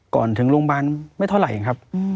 ก่อนถึงโรงบาลไม่ที่เท่าไหร่ครับ